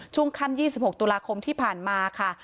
ช่วงค่ำ๒๖ตุลาคมที่ผ่านมาค่ะ